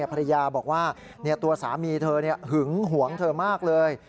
ภรรยาบอกว่าตัวสามีเธอหึงหวงเธอมากเลย